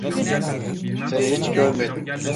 Seni hiç görmedim.